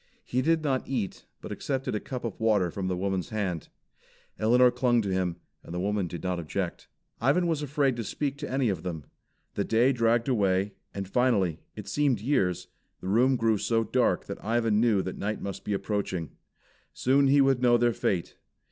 He did not eat, but accepted a cup of' water from the woman's hand. Elinor clung to him, and the woman did not object. Ivan was afraid to speak to any of them. The day dragged away, and finally (it seemed years) the room grew so dark that Ivan knew that night must be approaching. Soon he would know their fate.